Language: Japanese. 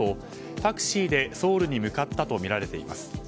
タクシーでソウルに向かったとみられています。